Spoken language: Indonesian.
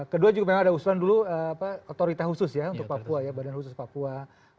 kedua juga memang ada usulan dulu otoritas khusus untuk papua badan khusus papua